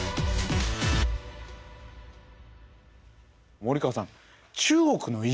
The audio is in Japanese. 森川さん